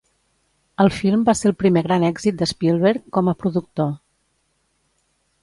El film va ser el primer gran èxit de Spielberg com a productor.